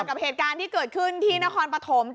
กับเหตุการณ์ที่เกิดขึ้นที่นครปฐม